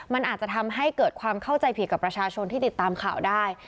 มันอาจจะทำให้เกิดความเข้าใจผิดกับประชาชนที่ติดตามข่าวได้